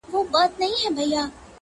ستا وه ديدن ته هواداره يمه!